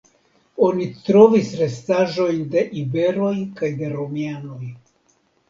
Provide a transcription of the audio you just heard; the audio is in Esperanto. Oni trovis restaĵojn de iberoj kaj de romianoj.